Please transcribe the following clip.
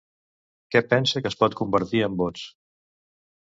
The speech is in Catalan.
Què pensa que es pot convertir en vots?